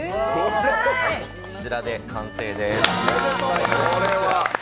こちらで完成です。